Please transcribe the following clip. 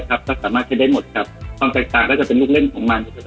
ก็สามารถใช้ได้หมดครับความแตกต่างก็จะเป็นลูกเล่นของมัน